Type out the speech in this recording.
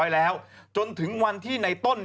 ให้มึงอยู่ด้วยกัน